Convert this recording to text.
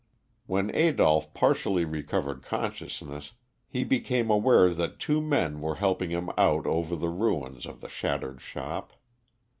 When Adolph partially recovered consciousness, he became aware that two men were helping him out over the ruins of the shattered shop.